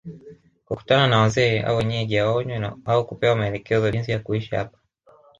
kukutana na Wazee au Wenyeji aonywe au kupewa maelekezo jinsi ya kuishi hapa